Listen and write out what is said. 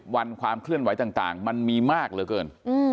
วันความเคลื่อนไหวต่างมันมีมากเหลือเกิน